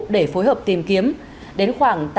để phối hợp tìm kiếm đến khoảng